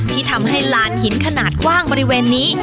ที่ทำให้ลานหินขนาดกว้างบริเวณนี้